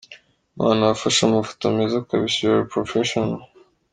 Man wafashe amafoto meza kbsa,u are professional.